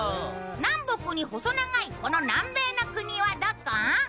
南北に細長いこの南米の国はどこ？